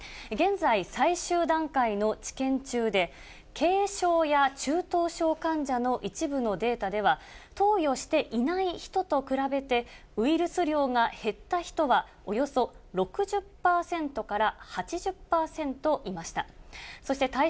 現在、最終段階の治験中で、軽症や中等症患者の一部のデータでは、投与していない人と比べて、ウイルス量が減った人はおよそ６０％から８０％いました。